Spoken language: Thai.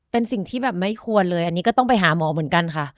เป็นสิ่งที่แบบไม่ควรเลยอันนี้ก็ต้องไปหาหมอเหมือนกันค่ะ